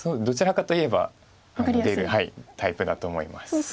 どちらかといえば出るタイプだと思います。